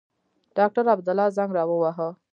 ډاکټر عبدالله زنګ را ووهه.